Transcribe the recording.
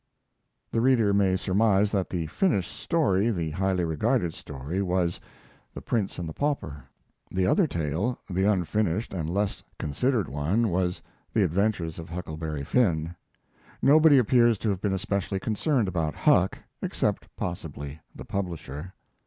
The reader may surmise that the finished story the highly regarded story was 'The Prince and the Pauper'. The other tale the unfinished and less considered one was 'The Adventures of Huckleberry Finn'. Nobody appears to have been especially concerned about Huck, except, possibly, the publisher.